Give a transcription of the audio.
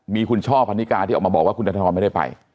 มีคุณช่อพันนิกาที่ออกมาบอกว่าคุณนัทธรไม่ได้ไป